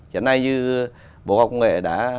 giờ này như bộ học nghệ đã